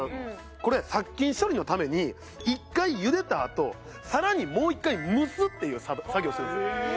これ殺菌処理のために１回茹でたあと更にもう１回蒸すっていう作業してるんですよ。